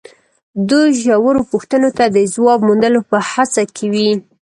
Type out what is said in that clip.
دوی ژورو پوښتنو ته د ځواب موندلو په هڅه کې وي.